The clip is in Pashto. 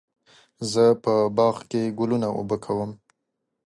زه په باغ کې ګلونه اوبه کوم.